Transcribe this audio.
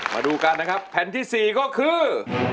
มาดูกันนะครับแผ่นที่๔ก็คือ